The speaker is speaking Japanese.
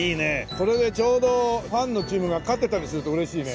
これでちょうどファンのチームが勝ってたりすると嬉しいね。